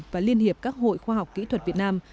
và liên hiệp các hội khoa học kỹ thuật việt nam